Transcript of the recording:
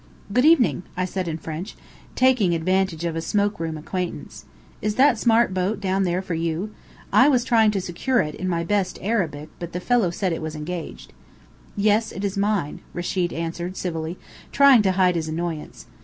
"Good evening," I said in French, taking advantage of a smoke room acquaintance. "Is that smart boat down there for you? I was trying to secure it, in my best Arabic, but the fellow said it was engaged." "Yes, it is mine," Rechid answered, civilly, trying to hide his annoyance.